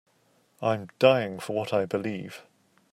I'm dying for what I believe.